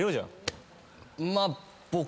まあ。